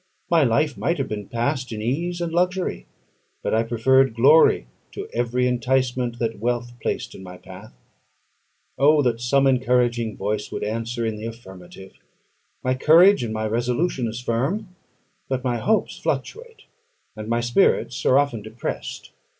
My life might have been passed in ease and luxury; but I preferred glory to every enticement that wealth placed in my path. Oh, that some encouraging voice would answer in the affirmative! My courage and my resolution is firm; but my hopes fluctuate, and my spirits are often depressed.